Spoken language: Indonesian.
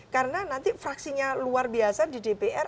karena nanti fraksinya luar biasa di dpr